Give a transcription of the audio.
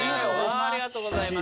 ありがとうございます。